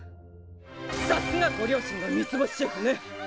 さすがご両親が３つ星シェフね。